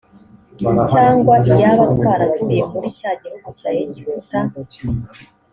cyangwa iyaba twaraguye muri cya gihugu cya egiputa